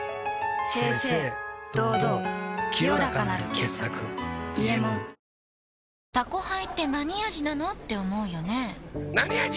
清々堂々清らかなる傑作「伊右衛門」「タコハイ」ってなに味なのーって思うよねなに味？